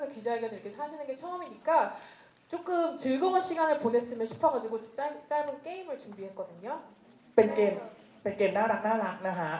เป็นเกมเป็นเกมน่ารักน่ารักนะฮะ